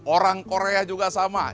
orang korea juga sama